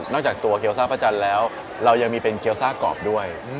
จากตัวเกี๊ซ่าพระจันทร์แล้วเรายังมีเป็นเกี๊ซ่ากรอบด้วย